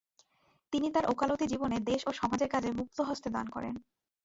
তিনি তার ওকালতি জীবনে দেশ ও সমাজের কাজে মুক্তহস্তে দান করেন।